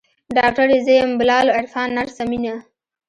ډاکتر يې زه يم بلال عرفان نرسه مينه.